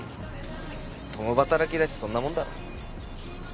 共働きだしそんなもんだろ。